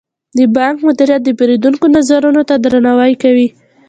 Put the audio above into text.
د بانک مدیریت د پیرودونکو نظرونو ته درناوی کوي.